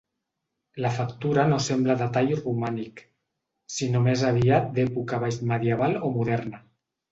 La factura no sembla de tall romànic, sinó més aviat d'època baix medieval o moderna.